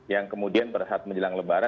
yang kemudian berhasil menjelang lemari